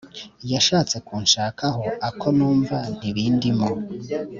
Yashatse kunshaho ako numva ntibindimo